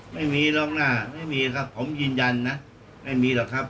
ไม่มีหรอกนะไม่มีครับผมยืนยันนะไม่มีหรอกครับ